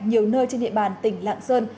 nhiều nơi trên địa bàn tỉnh lạng sơn